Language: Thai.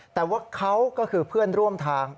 แต่ว่าเขาก็คือเพื่อนร่วมทาง